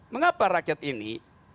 mengapa rakyat ini